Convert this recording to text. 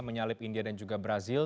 menyalip india dan juga brazil